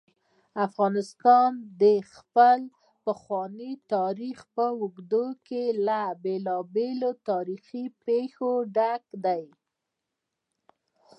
افغانستان د خپل پخواني تاریخ په اوږدو کې له بېلابېلو تاریخي پېښو ډک دی.